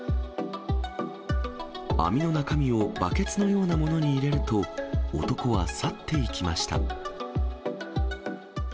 網の中身をバケツのようなものに入れると、男は去っていきました。